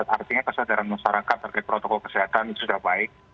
artinya kesadaran masyarakat terhadap protokol kesehatan sudah baik